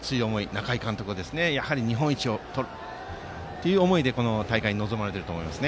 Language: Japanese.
中井監督はやはり日本一をとるという思いでこの大会に臨まれていると思います。